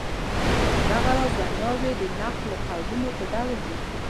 دغه راز ویناوی د نقل قولونو په ډول دي.